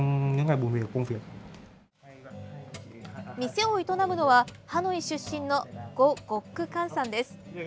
店を営むのはハノイ出身のゴ・ゴック・カンさんです。